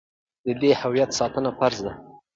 د دې هویت ساتنه فرض ده.